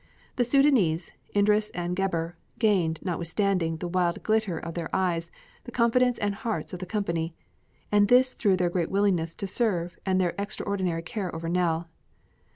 The Sudânese, Idris and Gebhr, gained, notwithstanding the wild glitter of their eyes, the confidence and hearts of the company, and this through their great willingness to serve and their extraordinary care over Nell.